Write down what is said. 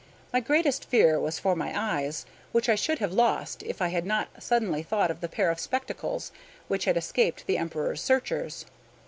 My greatest fear was for my eyes, which I should have lost if I had not suddenly thought of the pair of spectacles which had escaped the Emperor's searchers.